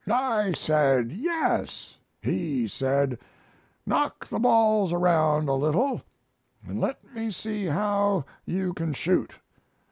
I said, 'Yes.' He said, 'Knock the balls around a little and let me see how you can shoot.'